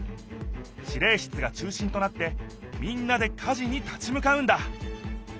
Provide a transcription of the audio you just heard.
指令室が中心となってみんなで火事に立ち向かうんだ